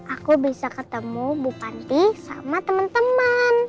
aku bisa ketemu bu panti sama teman teman